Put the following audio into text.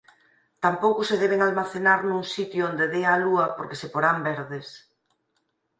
Tampouco se deben almacenar nun sitio onde dea a lúa porque se porán verdes.